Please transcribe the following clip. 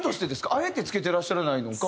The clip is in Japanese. あえてつけてらっしゃらないのか。